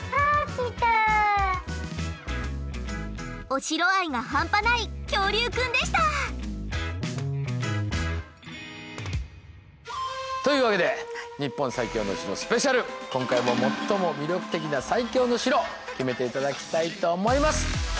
お城愛が半端ない恐竜くんでした！というわけで「日本最強の城スペシャル」今回も最も魅力的な「最強の城」決めて頂きたいと思います。